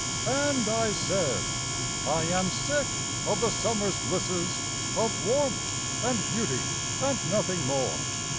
And I said, "I am sick of the summer's blisses, Of warmth and beauty, and nothing more.